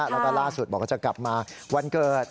แล้วก็ล่าสุดบอกว่าจะกลับมาวันเกิด